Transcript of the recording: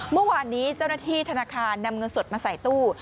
เมื่อวานนี้เจ้าหน้าที่ธนาคารนำเงินสดมาใส่ตู้